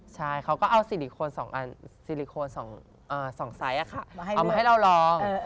ใช่เขาก็เอาซิลิโคน๒ไซส์เอามาให้เราลอง